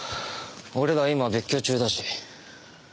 俺ら今別居中だし。